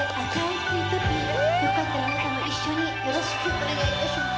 よかったら皆さんも一緒によろしくお願い致します。